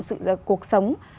sự cuộc sống